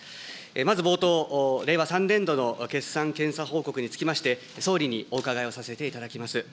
まず冒頭、令和３年度の決算検査報告につきまして、総理にお伺いをさせていただきます。